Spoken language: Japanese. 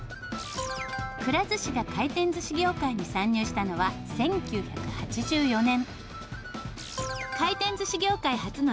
くら寿司が回転寿司業界に参入したのは１９８４年。